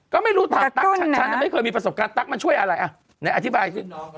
ก็ไม่รู้ถามตั๊กฉันไม่เคยมีประสบการณ์ตั๊กมันช่วยอะไรอ่ะไหนอธิบายสิ